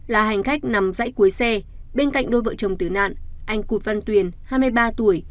là hành khách nằm dãy cuối xe bên cạnh đôi vợ chồng tử nạn anh cụt văn tuyền hai mươi ba tuổi